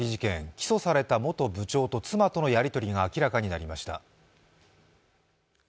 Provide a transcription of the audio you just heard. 起訴された元部長と妻とのやりとりが明らかになりました。